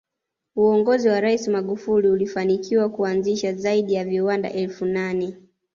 Uongozi wa rais Magufuli ulifanikiwa kuanzisha zaidi ya viwanda elfu nane